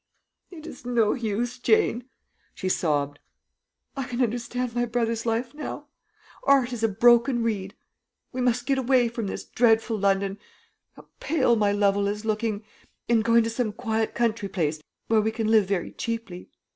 "It is no use, Jane," she sobbed. "I can understand my brother's life now. Art is a broken reed. We must get away from this dreadful London how pale my Lovel is looking! and go into some quiet country place, where we can live very cheaply.